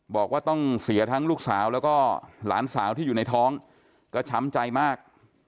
บอกว่าต้องเสียทั้งลูกสาวแล้วก็หลานสาวที่อยู่ในท้องก็ช้ำใจมาก